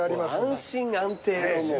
安心安定の。